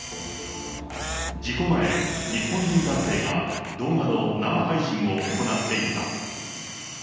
事故前、日本人男性が、動画の生配信を行っていた。